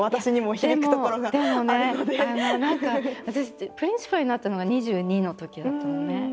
いやでもでもね何か私プリンシパルになったのが２２のときだったのね。